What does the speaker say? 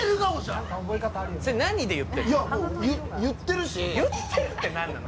言ってるって何なの？